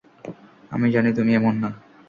আমি জানি তুমি এমন না!